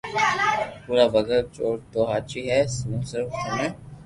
ڀورا ڀگت چور تو ھاچو ھي ھون صرف ٿني